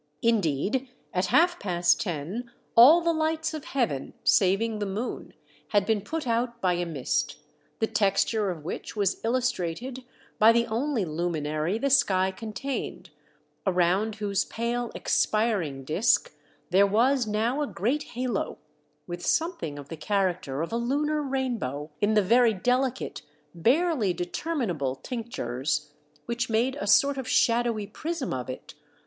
Indeed, at half past ten, all the lights of Heaven, saving the moon, had been put out by a mist, the texture of which was illustrated by the only luminary the sky contained, around whose pale expiring disc there was now a great halo, with something of the character of a lunar rainbow in the very deli cate, barely determinable tinctures, which made a sort of shadowy prism of it, m.